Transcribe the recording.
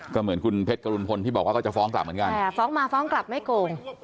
ก็เหมือนคุณเพชรกรุณพลที่บอกว่าก็จะฟ้องกลับเหมือนกันฟ้องมาฟ้องกลับไม่โกง